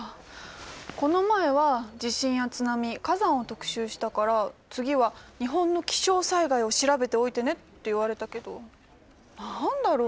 この前は地震や津波火山を特集したから次は日本の気象災害を調べておいてねって言われたけど何だろう